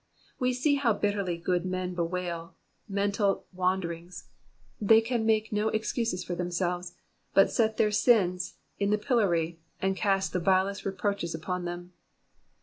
We see how bitterly good men bewail mental wander ings ; they make no excuses for themselves, but set their sins in the pillory, and cast the vilest reproaches upon them.